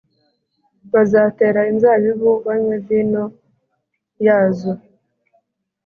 bazatera inzabibu banywe vino yazo